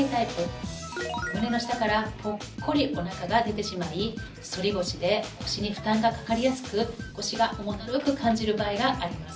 胸の下からポッコリお腹が出てしまい反り腰で腰に負担がかかりやすく腰が重だるく感じる場合があります。